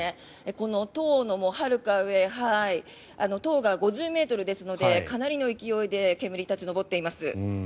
この塔のはるか上塔が５０ｍですのでかなりの勢いで煙が立ち上っています。